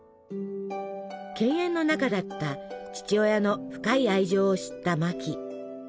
犬猿の仲だった父親の深い愛情を知ったマキ。